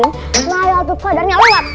amalia tuh keadaannya lewat